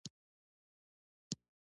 سیندونه ولې ماتیږي؟